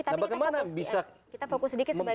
nah bagaimana bisa kita fokus sedikit